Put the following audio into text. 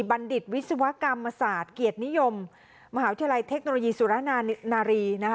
บัณฑิตวิศวกรรมศาสตร์เกียรตินิยมมหาวิทยาลัยเทคโนโลยีสุรนารี